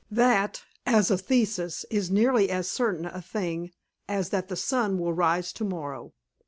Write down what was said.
That, as a thesis, is nearly as certain a thing as that the sun will rise to morrow.